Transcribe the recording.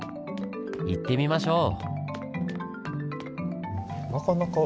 行ってみましょう！